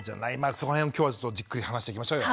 そこの辺も今日はじっくり話していきましょうよ。